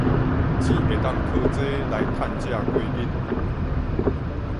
只會當靠這來趁食過日